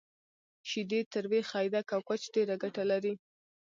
شیدې، تروی، خیدک، او کوچ ډیره ګټه لری